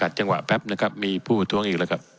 ขาดชั่งหวะแป๊บนะครับมีผู้หัวทุ้งอีกแล้วกลับ